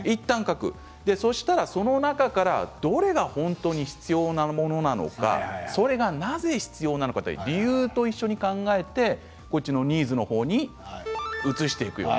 そうしたら、その中からどれが本当に必要なものなのかそれがなぜ必要なのか理由と一緒に考えてニーズの方に移していく。